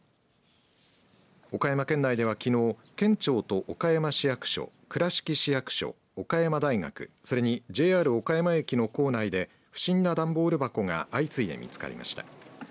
岡山県内では、きのう県庁と岡山市役所、倉敷市役所岡山大学それにＪＲ岡山駅の構内で不審な段ボール箱が相次いで見つかりました。